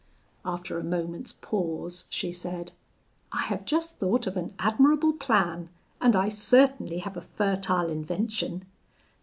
After a moment's pause she said: 'I have just thought of an admirable plan, and I certainly have a fertile invention.